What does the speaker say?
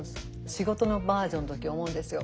仕事のバージョンの時思うんですよ。